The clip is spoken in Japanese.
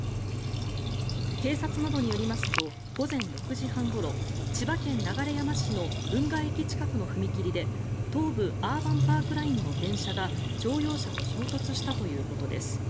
警察などによりますと午前６時半ごろ千葉県流山市の運河駅近くの踏切で東武アーバンパークラインの電車が乗用車と衝突したということです。